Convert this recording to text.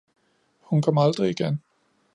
Hun kom aldrig igen